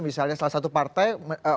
misalnya salah satu partai